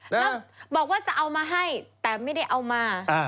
แล้วบอกว่าจะเอามาให้แต่ไม่ได้เอามา